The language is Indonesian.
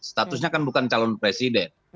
statusnya kan bukan calon presiden